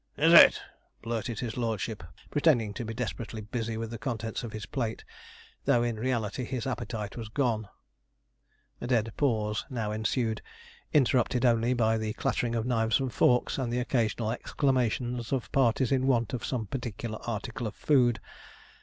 'Is it?' blurted his lordship, pretending to be desperately busy with the contents of his plate, though in reality his appetite was gone. A dead pause now ensued, interrupted only by the clattering of knives and forks, and the occasional exclamations of parties in want of some particular article of food.